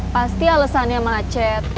pasti alesannya macet